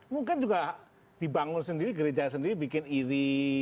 mungkin juga dibangun sendiri gereja sendiri bikin iri